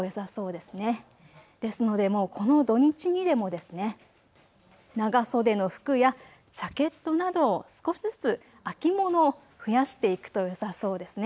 ですのでもうこの土日にでも長袖の服やジャケットなど、少しずつ秋物を増やしていくとよさそうですね。